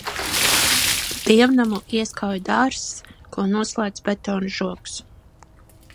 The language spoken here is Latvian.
Dievnamu ieskauj dārzs, ko noslēdz betona žogs.